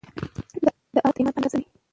د هغه د ایمان په اندازه وي